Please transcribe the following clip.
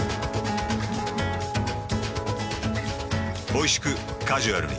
おいしくカジュアルに。